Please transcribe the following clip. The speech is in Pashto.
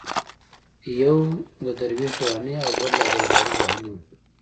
یو د درویش دراني او بل د عبدالباري جهاني و.